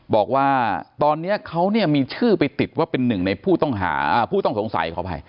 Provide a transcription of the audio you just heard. บอกว่าตอนนี้เขามีชื่อไปติดว่าเป็นหนึ่งในผู้ต้องสงสัย